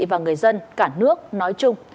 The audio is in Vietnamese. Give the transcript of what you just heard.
và người dân cả nước nói chung